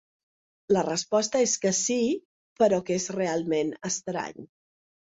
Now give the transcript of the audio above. La resposta és que sí però que és realment estrany.